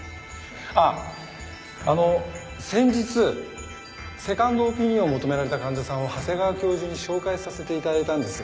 あっあの先日セカンドオピニオンを求められた患者さんを長谷川教授に紹介させて頂いたんですが。